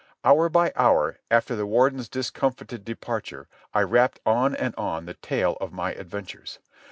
Hour by hour, after the warden's discomfited departure, I rapped on and on the tale of my adventures.